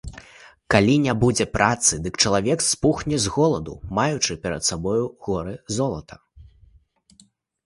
Калі не будзе працы, дык чалавек спухне з голаду, маючы перад сабою горы золата.